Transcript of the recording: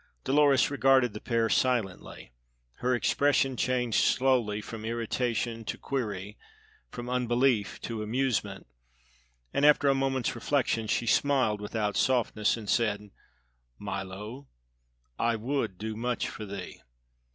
Dolores regarded the pair silently; her expression changed slowly from irritation to query; from unbelief to amusement, and after a moment's reflection she smiled without softness and said: "Milo, I would do much for thee.